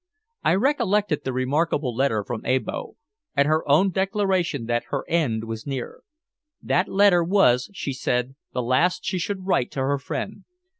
I recollected the remarkable letter from Abo, and her own declaration that her end was near. That letter was, she said, the last she should write to her friend.